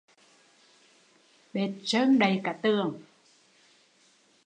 Bệt sơn đầy cả tường